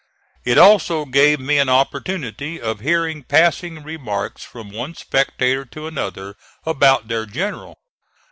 It also gave me an opportunity of hearing passing remarks from one spectator to another about their general.